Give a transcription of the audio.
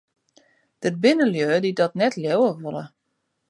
Der binne lju dy't dat net leauwe wolle.